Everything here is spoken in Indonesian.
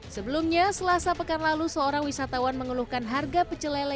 sebelumnya selasa pekan lalu seorang wisatawan mengeluhkan harga pecelele